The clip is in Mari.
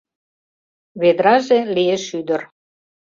Ведраже лие шӱдыр